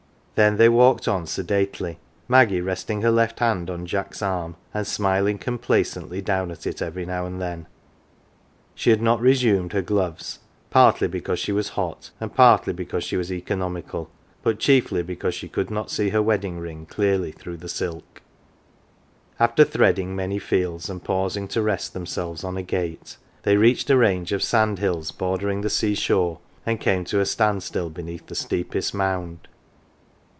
Then they walked on sedately, Maggie resting her left hand on Jack's arm, and smiling complacently down at it every now and then : she had not resumed her gloves, partly because she was hot, and partly be cause she was economical, but chiefly because she could not see her wedding ring clearly through the silk. After threading many fields, and pausing to rest themselves on a gate, they reached a range of sand hills bordering the sea shore, and came to a stand still beneath the steepest mound.